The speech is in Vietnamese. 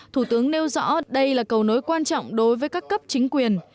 thủ tướng nêu rõ đây là cầu nối quan trọng đối với các cấp chính quyền